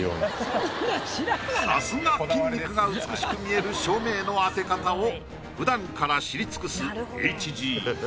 さすが筋肉が美しく見える照明の当て方を普段から知り尽くすＨＧ。